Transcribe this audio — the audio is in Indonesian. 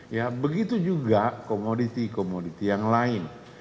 ya begitu juga komoditi komoditi yang lain